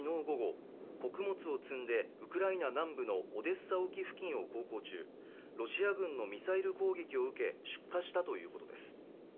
午後穀物を積んでウクライナ南部のオデッサ沖付近を航行中ロシア軍のミサイル攻撃を受け出火したということです